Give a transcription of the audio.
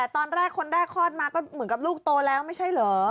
ตอนแรกคนแรกคลอดมาก็เหมือนกับลูกโตแล้วไม่ใช่เหรอ